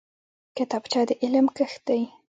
کتابچه د علم کښت دی